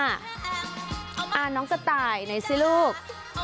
อ่าน้องสไตล์ไหนสิลูก